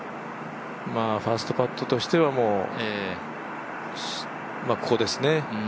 ファーストパットとしてはここですね。